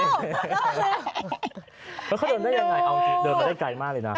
แล้วเขาเดินได้ยังไงเอาจริงเดินมาได้ไกลมากเลยนะ